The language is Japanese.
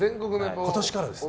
今年からですね。